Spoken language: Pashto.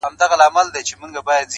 نې مني جاهل افغان ګوره چي لا څه کیږي،